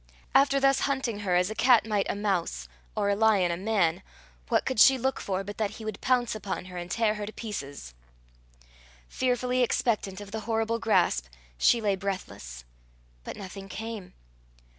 After thus hunting her as a cat might a mouse, or a lion a man, what could she look for but that he would pounce upon her, and tear her to pieces? Fearfully expectant of the horrible grasp, she lay breathless. But nothing came.